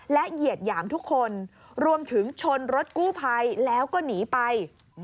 และเหยียดหยามทุกคนรวมถึงชนรถกู้ภัยแล้วก็หนีไป